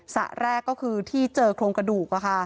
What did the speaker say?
สระแรกก็คือที่เจอโครงกระดูก